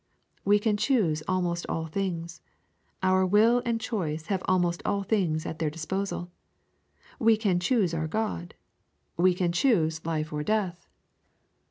We can choose almost all things. Our will and choice have almost all things at their disposal. We can choose our God. We can choose life or death.